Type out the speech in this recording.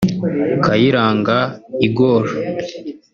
Kayiranga Igor